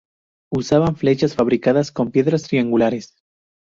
Usaban flechas fabricadas con piedras triangulares.